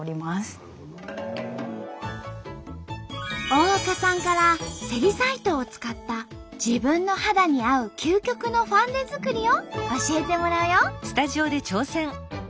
大岡さんからセリサイトを使った自分の肌に合う究極のファンデ作りを教えてもらうよ！